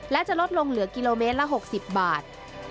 และจะลดลงเหลือกิโลเมตรละ๖๐บาท